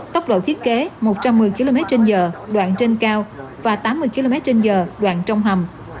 tốc độ thiết kế một trăm một mươi km trên giờ đoạn trên cao và tám mươi km trên giờ đoạn trong hầm